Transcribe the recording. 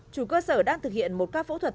chủ cơ sở đang thực hiện một ca phẫu thuật